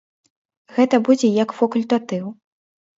Гэта будзе як факультатыў.